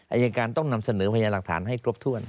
อายการต้องนำเสนอพยานหลักฐานให้ครบถ้วน